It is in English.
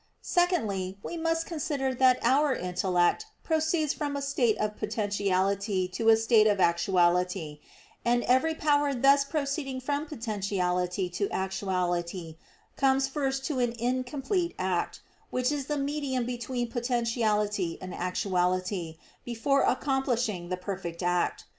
Secondly, we must consider that our intellect proceeds from a state of potentiality to a state of actuality; and every power thus proceeding from potentiality to actuality comes first to an incomplete act, which is the medium between potentiality and actuality, before accomplishing the perfect act.